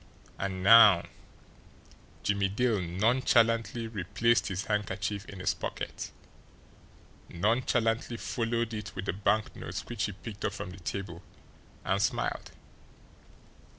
And now" Jimmie Dale nonchalantly replaced his handkerchief in his pocket, nonchalantly followed it with the banknotes which he picked up from the table and smiled.